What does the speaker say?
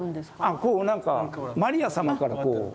あこうなんかマリア様からこう。